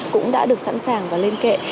cũng đã được sẵn sàng và lên kệ